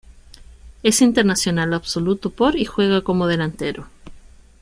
Es internacional absoluto por y juega como delantero.